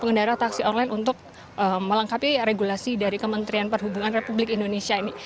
pengendara taksi online untuk melengkapi regulasi dari kementerian perhubungan republik indonesia ini